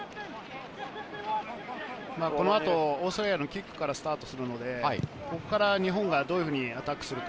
この後、オーストラリアからのキックからスタートするので、ここから日本がどうアタックするか。